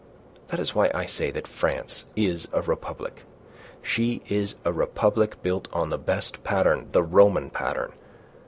That is why I say that France is a republic; she is a republic built on the best pattern the Roman pattern.